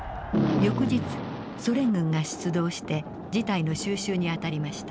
翌日ソ連軍が出動して事態の収拾に当たりました。